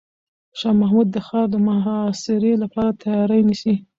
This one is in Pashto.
شاه محمود د ښار د محاصرې لپاره تیاری نیسي.